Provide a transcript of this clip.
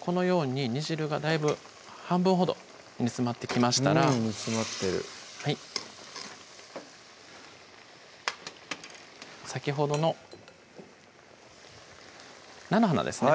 このように煮汁がだいぶ半分ほど煮詰まってきましたらうん煮詰まってる先ほどの菜の花ですね